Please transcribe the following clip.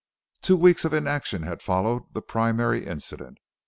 Two weeks of inaction had followed the primary incident.